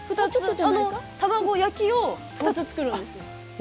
卵焼きを２つ作るんです。